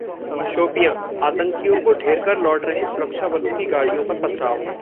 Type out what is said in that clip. शोपियां: आतंकियों को ढेर कर लौट रहे सुरक्षाबलों की गाड़ियों पर पथराव